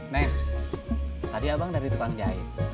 naik tadi abang dari tukang jahit